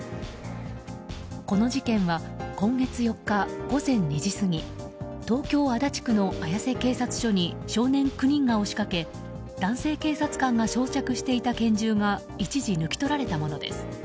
この事件は今月４日午前２時過ぎ東京・足立区の綾瀬警察署に少年９人が押し掛け男性警察官が装着していた拳銃が一時抜き取られたものです。